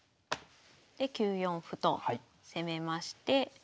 で９四歩と攻めまして。